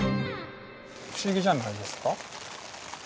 不思議じゃないですか？